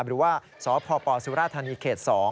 หรือว่าสปปศิวราษฎรณีเขต๒